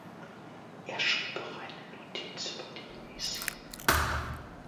Er schrieb auch eine Notiz über die Jesiden.